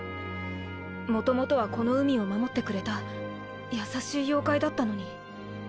元々はこの海を守ってくれた優しい妖怪だったのに。